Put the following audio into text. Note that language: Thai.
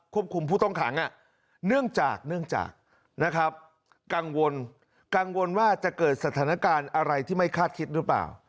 คุมผู้ต้องขังเนื่องจากเนื่องจากนะครับกังวลกังวลว่าจะเกิดสถานการณ์อะไรที่ไม่คาดคิดหรือเปล่า